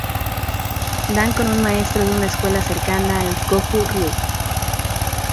Dan con un Maestro de una escuela cercana al Goju Ryu.